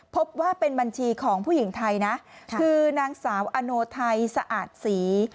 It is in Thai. พบว่าเป็นบัญชีของผู้หญิงไทยนะคือนางสาวอโนไทยสะอาดศรี